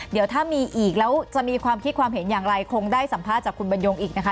เดี๋ยวถ้ามีอีกแล้วจะมีความคิดความเห็นอย่างไรคงได้สัมภาษณ์จากคุณบรรยงอีกนะคะ